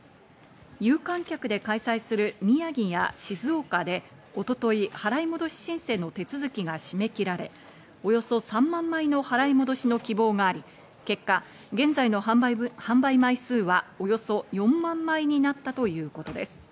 有観客で開催する宮城や静岡で一昨日、払い戻し申請の手続きが締め切られ、およそ３万枚の払い戻しの希望があり、結果、現在の販売枚数はおよそ４万枚になったということです。